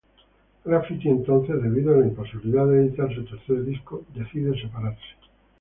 Graffiti entonces, debido a la imposibilidad de editar su tercer disco, decide separarse.